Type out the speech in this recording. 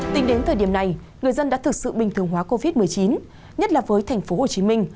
tính đến thời điểm này người dân đã thực sự bình thường hóa covid một mươi chín nhất là với thành phố hồ chí minh